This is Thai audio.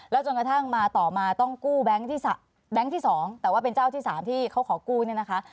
แล้วจนกระทั่งต่อมาต้องกู้แบงค์ที่สองแต่ว่าเป็นเจ้าที่สามที่เขาขอกู้นะคะ